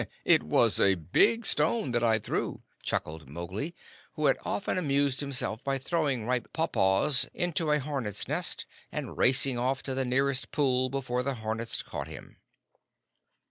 '" "It was a big stone that I threw," chuckled Mowgli, who had often amused himself by throwing ripe paw paws into a hornet's nest, and racing off to the nearest pool before the hornets caught him.